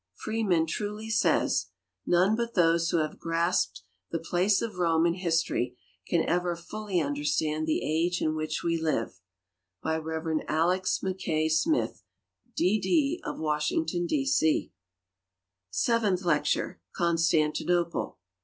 Freeman truly says: " None but those who havegrasjicd the place of Rome in history can ever fully understand the age in which we live." By Rev. Alex. Mackay Smith, D. I)., of Washington, D. C. Seventh lecture— Constantinoi)le.